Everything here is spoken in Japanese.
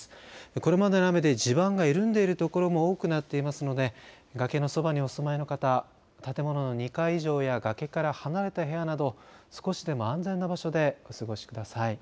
これまでの雨で地盤が緩んでいる所も多くなっていますので崖のそばにお住まいの方、建物の２階以上や崖から離れた部屋など少しでも安全な場所でお過ごしください。